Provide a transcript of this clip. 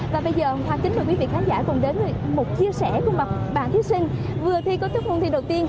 và bây giờ hoặc chính là quý vị khán giả cùng đến với một chia sẻ cùng bạn thí sinh vừa thi có thức môn thi đầu tiên